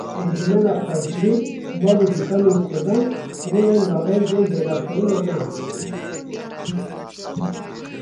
Encûmena Xwecihî mal û dukanên Kurdan kirine navêndên belavkirina nan.